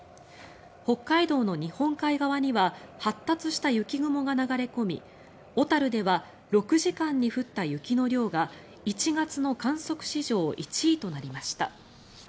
北海道の日本海側には発達した雪雲が流れ込み小樽では６時間に降った雪の量が１月の観測史上１位となりました。